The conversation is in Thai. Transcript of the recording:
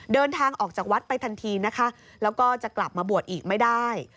เดินทางออกจากวัดไปทันทีนะคะแล้วก็จะกลับมาบวชอีกไม่ได้